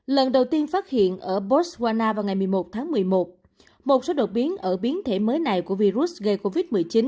lần đầu tiên phát hiện ở botswana vào ngày một mươi một tháng một mươi một một số đột biến ở biến thể mới này của virus gây covid một mươi chín